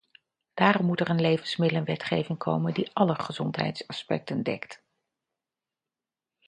Daarom moet er levensmiddelenwetgeving komen die alle gezondheidsaspecten dekt.